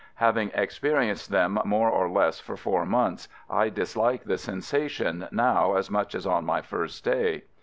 Having experienced them more or less for four months, I dislike the sensation now as much as on my first day.